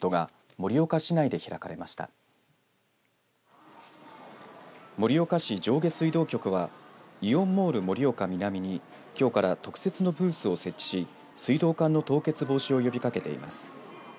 盛岡市上下水道局はイオンモール盛岡南にきょうから特設のブースを設置し水道管の凍結防止を呼びかけています。